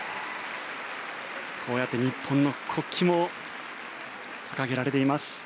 こうやって日本の国旗も掲げられています。